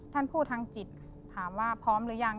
ท่านพูดทางจิตถามว่าพร้อมหรือยัง